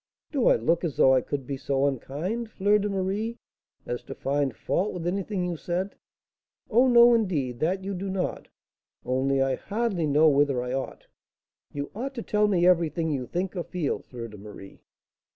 "Do I look as though I could be so unkind, Fleur de Marie, as to find fault with anything you said?" "Oh, no, indeed, that you do not; only I hardly know whether I ought " "You ought to tell me everything you think or feel, Fleur de Marie."